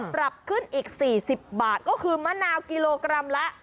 ปรับขึ้นอีก๔๐บาทก็คือมะนาวกิโลกรัมละ